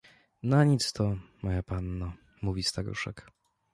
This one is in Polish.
— Na nic to, moja panno — mówi staruszek.